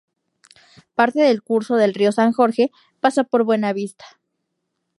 Parte del curso del Río San Jorge pasa por Buenavista.